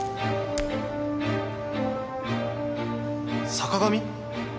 坂上？